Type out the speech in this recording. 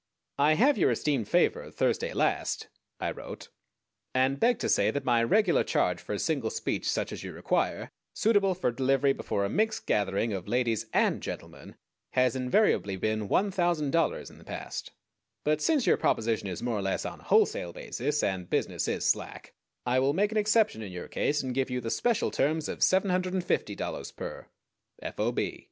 I have your esteemed favor of Thursday last [I wrote], and beg to say that my regular charge for a single speech such as you require, suitable for delivery before a mixed gathering of ladies and gentlemen, has invariably been $1,000 in the past; but since your proposition is more or less on a wholesale basis, and business is slack, I will make an exception in your case and give you the special terms of $750 per, F. O. B.